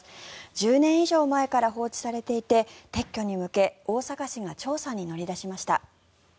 １０年以上前から放置されていて撤去に向け大阪市が調査に乗り出しました。